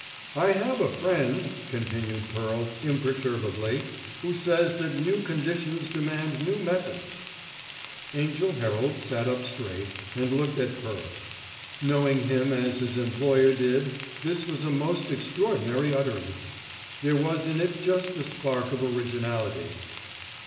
"I have a friend," continued Pearl, imperturbably, "who says that new conditions demand new methods." Angell Herald sat up straight, and looked at Pearl. Knowing him as his employer did, this was a most extraordinary utterance. There was in it just a spark of originality.